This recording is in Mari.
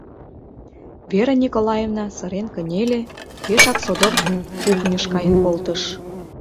— Вера Николаевна сырен кынеле, пешак содор кухньыш каен колтыш.